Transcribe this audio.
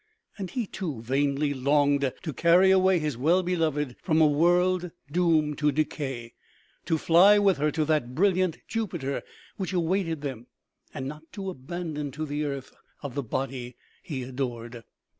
And he, too, vainly longed to carry away his well beloved from a world doomed to decay, to fly with her to that brilliant Jupiter which awaited them, and not to abandon to the earth the body he adored.